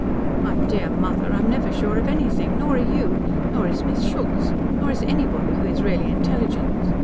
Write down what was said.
"My dear mother, I'm never sure of anything. Nor are you. Nor is Miss Schultz. Nor is anybody who is really intelligent.